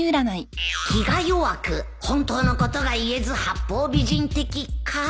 気が弱く本当のことが言えず八方美人的か